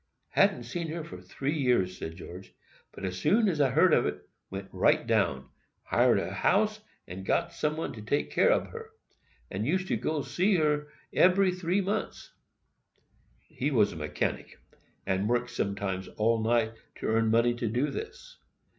]—"Hadn't seen her for tree years," said George; "but soon as I heard of it, went right down,—hired a house, and got some one to take care ob her,—and used to go to see her ebery tree months." He is a mechanic, and worked sometimes all night to earn money to do this.